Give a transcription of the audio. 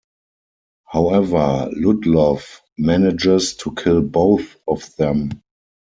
However, Ludlow manages to kill both of them.